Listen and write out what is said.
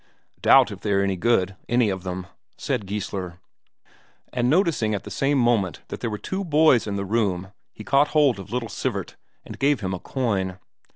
"Doubt if they're any good, any of them," said Geissler. And noticing at the same moment that there were two boys in the room, he caught hold of little Sivert and gave him a coin.